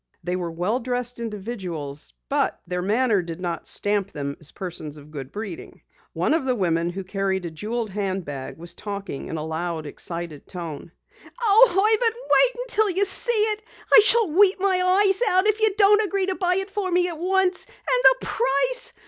They were well dressed individuals but their manner did not stamp them as persons of good breeding. One of the women who carried a jeweled handbag was talking in a loud, excited tone: "Oh, Herbert, wait until you see it! I shall weep my eyes out if you don't agree to buy it for me at once. And the price!